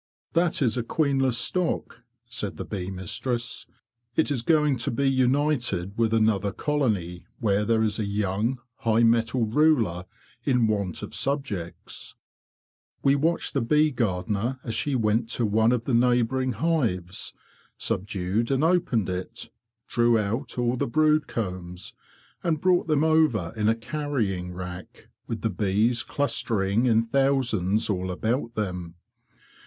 '" That is a queenless stock,'' said the bee mistress. "It is going to be united with another colony, where there is a young, high mettled ruler in want of subjects." We watched the bee gardener as she went to one of the neighbouring hives, subdued and opened it, drew out all the brood combs, and brought them over in a carrying rack, with the bees clustering in thousands all about them.